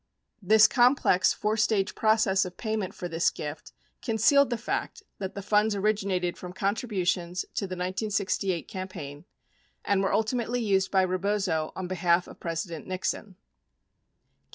This complex four stage process of payment for this gift concealed the fact that the funds originated from contributions to the 1968 cam paign and were ultimately used by Bebozo on behalf of President Nixon.